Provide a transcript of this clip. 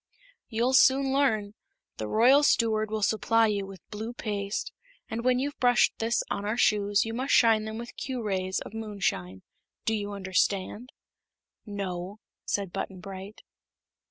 "You'll soon learn. The Royal Steward will supply you with blue paste, and when you've brushed this on our shoes you must shine them with Q rays of Moonshine. Do you understand?" "No," said Button Bright.